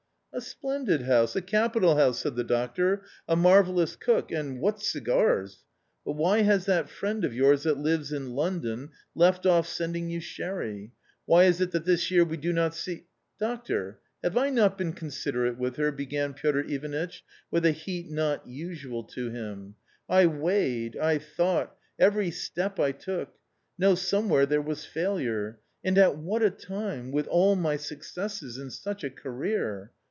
" A splendid house, a capital house," said the doctor; " a marvellous cook, and what cigars ! But why has that friend of yours that lives in London .... left off sending you sherry ? Why is it that this year we do not see "" Doctor, have I not been considerate with her ?" be gan Piotr Ivanitch, with a heat not usual to him* " I weighed, I thought, every step I took No ; some where there was failure. And at what a time — with all my successes, in such a career